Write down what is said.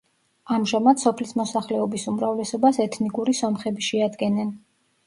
ამჟამად სოფლის მოსახლეობის უმრავლესობას ეთნიკური სომხები შეადგენენ.